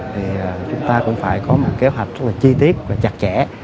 thì chúng ta cũng phải có một kế hoạch rất là chi tiết và chặt chẽ